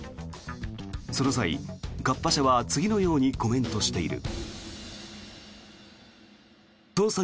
その際、カッパ社は次のようにコメントしている。